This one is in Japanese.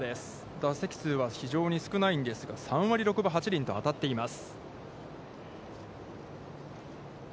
打席数は非常に少ないんですが３割６分８厘と、当たっています。